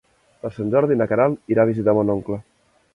Per Sant Jordi na Queralt irà a visitar mon oncle.